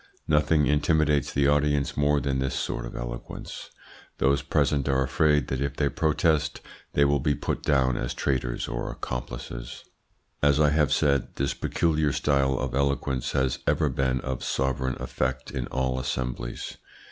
Nothing intimidates the audience more than this sort of eloquence. Those present are afraid that if they protest they will be put down as traitors or accomplices. As I have said, this peculiar style of eloquence has ever been of sovereign effect in all assemblies.